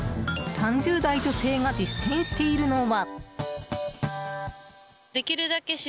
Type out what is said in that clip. ３０代女性が実践しているのは。